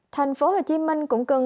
tp hcm cũng cần